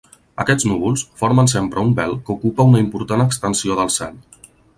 Aquests núvols formen sempre un vel que ocupa una important extensió del cel.